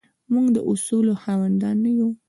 موږ د اصولو خاوندان نه یو.